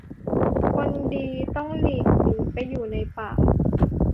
คนดีต้องหลีกหนีไปอยู่ในป่า